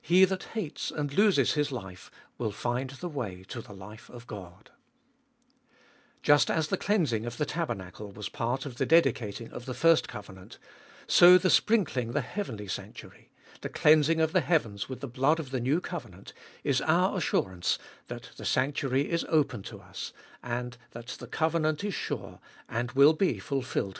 He that hates and loses his life will find the way to the life of God. 8. Just as the cleansing of the tabernacle was part of the dedicating of the first covenant, so the sprinkling the heavenly sanctuary, the cleansing of the heavens with the blood of the new covenant, is our assurance that the sanctuary Is open to us, and that the covenant is sure and uiill be fulfill